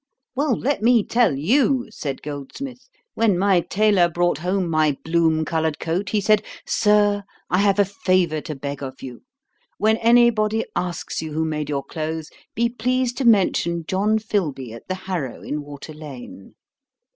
'Well, let me tell you, (said Goldsmith,) when my tailor brought home my bloom coloured coat, he said, 'Sir, I have a favour to beg of you. When any body asks you who made your clothes, be pleased to mention John Filby, at the Harrow, in Water lane.'